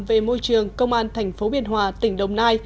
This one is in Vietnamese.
về môi trường công an tp biên hòa tỉnh đồng nai